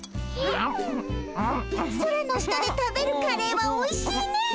空の下で食べるカレーはおいしいねえ。